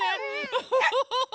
ウフフフフ！